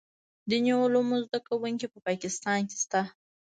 دیني علومو زده کوونکي په پاکستان کې شته.